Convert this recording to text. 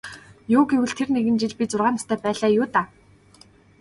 Юу гэвэл тэр нэгэн жил би зургаан настай байлаа юу даа.